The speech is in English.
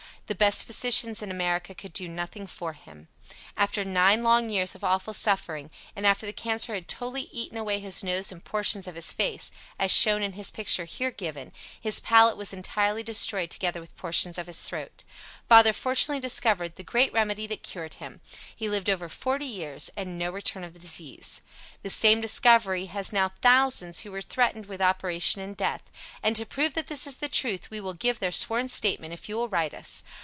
The best physicians in America could do nothing for him. After nine long years of awful suffering, and after the cancer had totally eaten away his nose and portions of his face (as shown in his picture here given) his palate was entirely destroyed together with portions of his throat. Father fortunately discovered the great remedy that cured him. He lived over 40 years and no return of the disease. The same discovery has now thousands who were threatened with operation and death. And to prove that this is the truth we will give their sworn statement if you will write us.